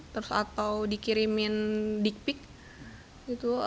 terus atau dikirimin dick pic gitu